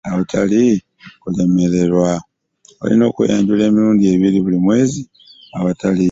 Balina okweyanjula emirundi ebiri buli mwezi awatali kulemererwa